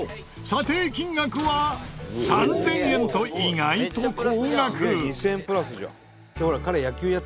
査定金額は３０００円と意外と高額。